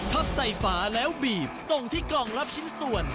พับใส่ฝาแล้วบีบส่งที่กล่องรับชิ้นส่วน